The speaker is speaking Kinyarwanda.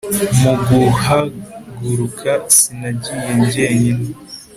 mu guhaguruka sinagiye jyenyine